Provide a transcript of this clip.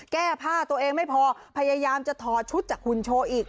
แก้ผ้าตัวเองไม่พอพยายามจะถอดชุดจากหุ่นโชว์อีก